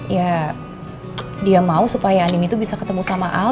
ya dia mau supaya andini itu bisa ketemu sama al